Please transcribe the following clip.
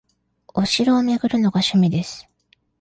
お城を巡るのが趣味です